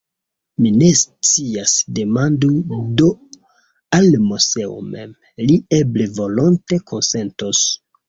Mi ne scias; demandu do al Moseo mem, li eble volonte konsentos.